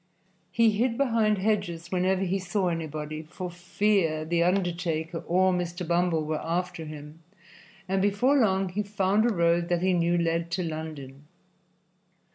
He hid behind hedges whenever he saw anybody, for fear the undertaker or Mr. Bumble were after him, and before long he found a road that he knew led to London.